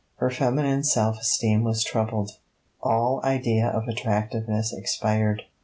Her feminine self esteem was troubled; all idea of attractiveness expired.